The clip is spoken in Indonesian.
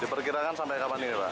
diperkirakan sampai kapan ini pak